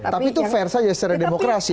tapi itu fair saja secara demokrasi